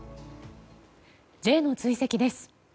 Ｊの追跡です。